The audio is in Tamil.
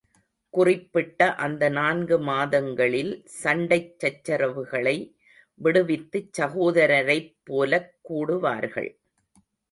குறிப்பிட்ட அந்த நான்கு மாதங்களில் சண்டைச் சச்சரவுகளை விடுவித்துச் சகோதரரைப் போலக் கூடுவார்கள்.